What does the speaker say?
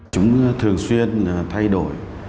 chúng thường xuyên thay đổi